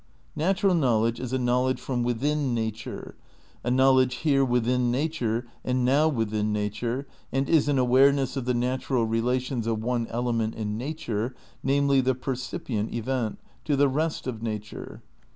"... natural knowledge is a knowledge from within nature, a knowledge 'here within nature' and 'now within nature', and is an awareness of the natural relations of one element in nature (namely, the percipient event) to the rest of nature."